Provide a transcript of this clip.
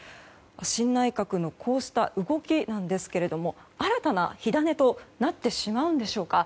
新内閣のこうした動きですが新たな火種となってしまうんでしょうか。